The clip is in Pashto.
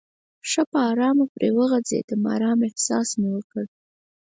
ښه په آرامه پرې وغځېدم، آرامه احساس مې وکړ.